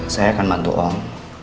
saya akan bantu om